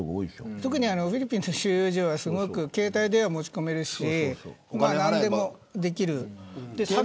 特に、フィリピンの収容所は携帯電話を持ち込めるし何でもできる。